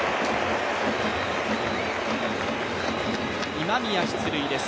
今宮出塁です。